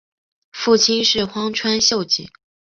父亲是荒川秀景。